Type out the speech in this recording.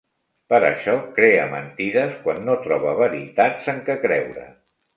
Per això crea mentides quan no troba veritats en què creure.